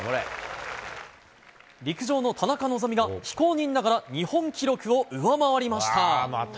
陸上の田中希実が、非公認ながら日本記録を上回りました。